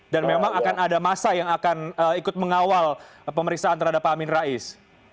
dan memang akan ada masa yang akan ikut mengawal pemeriksaan terhadap pak amin rais